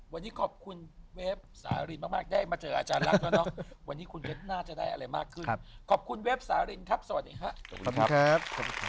วันนี้ขอบคุณเวฟสารินมากได้มาเจออาจารย์รักแล้วเนาะวันนี้คุณเว็บน่าจะได้อะไรมากขึ้นขอบคุณเวฟสารินครับสวัสดีครับสวัสดีครับ